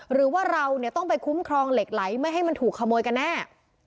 หรือว่าเราเนี่ยต้องไปคุ้มครองเหล็กไหลไม่ให้มันถูกขโมยกันแน่